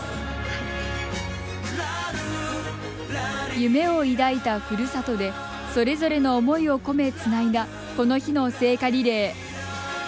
夢を抱いたふるさとでそれぞれの思いを込めつないだこの日の聖火リレー。